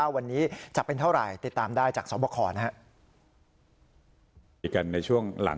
วันนี้จะเป็นเท่าไหร่ติดตามได้จากสอบคอนะครับ